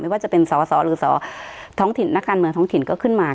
ว่าจะเป็นสอสอหรือสอท้องถิ่นนักการเมืองท้องถิ่นก็ขึ้นมา